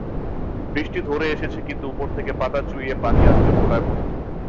বৃষ্টি ধরে এসেছে কিন্তু ওপর থেকে পাতা চুইয়ে পানি আসছে ফোঁটায় ফোঁটায়।